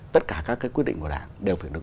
tất cả các cái quyết định của đảng đều phải được